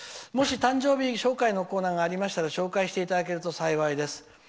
もし誕生日紹介のコーナーがありましたら紹介していただけると幸いです。